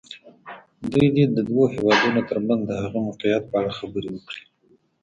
دوی دې د دوو هېوادونو تر منځ د هغه موقعیت په اړه خبرې وکړي.